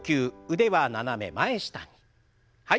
腕はななめ前下に。